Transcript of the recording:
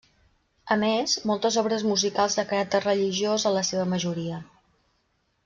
A més, moltes obres musicals de caràcter religiós en la seva majoria.